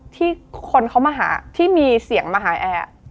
ที่คนเขามาหาที่มีเสียงมาหาแอร์